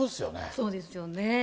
そうですよね。